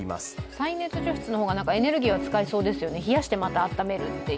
再熱除湿の方がエネルギーを使いそうですよね、冷やして温めるという。